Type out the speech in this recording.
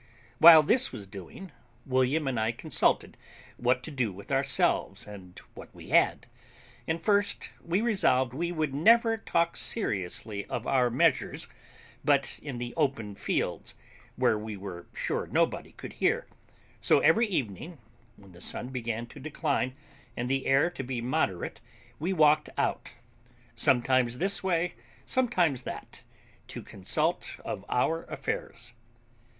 While this was doing, William and I consulted what to do with ourselves and what we had; and first, we resolved we would never talk seriously of our measures but in the open fields, where we were sure nobody could hear; so every evening, when the sun began to decline and the air to be moderate we walked out, sometimes this way, sometimes that, to consult of our affairs.